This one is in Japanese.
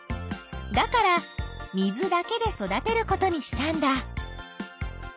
だから水だけで育てることにしたんだ。